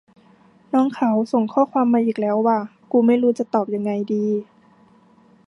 น้องเขาส่งข้อความมาอีกแล้วว่ะ กูไม่รู้จะตอบยังไงดี